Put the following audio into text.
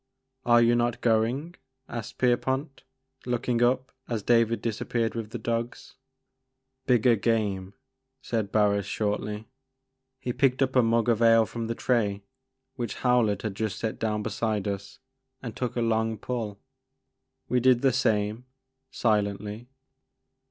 Are you not going ?" asked Pierpont, look ing up, as David disappeared with the dogs. The Maker of Moons. 13 "Bigger game," said Barris shortly. He picked up a mug of ale from the tray which Howlett had just set down beside us and took a long pull. We did the same, silently.